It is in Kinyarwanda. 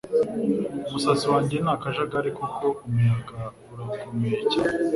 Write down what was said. Umusatsi wanjye ni akajagari kuko umuyaga urakomeye cyane